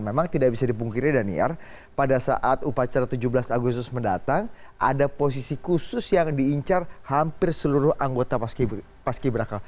memang tidak bisa dipungkiri daniar pada saat upacara tujuh belas agustus mendatang ada posisi khusus yang diincar hampir seluruh anggota paski beraka